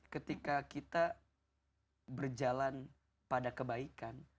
ketika kita berjalan pada kebaikan